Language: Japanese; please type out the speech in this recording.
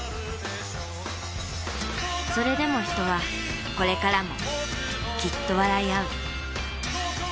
それでも人はこれからもきっと笑いあう。